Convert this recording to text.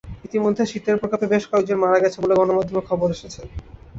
ইতিমধ্যে শীতের প্রকোপে বেশ কয়েকজন মারা গেছে বলে গণমাধ্যমে খবর এসেছে।